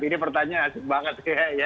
ini pertanyaan asik banget